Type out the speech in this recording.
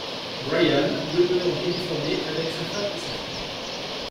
Brian demeure en Californie avec sa femme et sa fille.